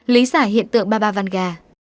lý giải hiện tượng baba vanga